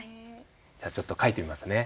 じゃあちょっと書いてみますね。